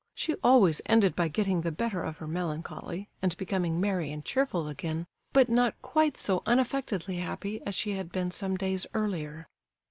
She always ended by getting the better of her melancholy, and becoming merry and cheerful again, but not quite so unaffectedly happy as she had been some days earlier.